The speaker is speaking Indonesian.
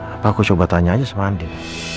apa aku coba tanya aja sama andi